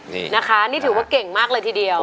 นี่นะคะนี่ถือว่าเก่งมากเลยทีเดียว